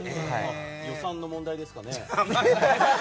予算の問題ですかね？